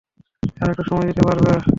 আরেকটু সময় নিতে পারবে?